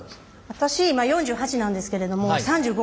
私今４８なんですけれどもえっ若い。